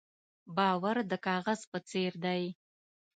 باور د کاغذ په څېر دی.